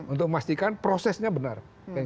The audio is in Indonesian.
untuk memastikan prosesnya benar